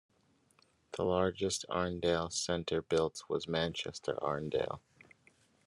The largest Arndale Centre built was Manchester Arndale.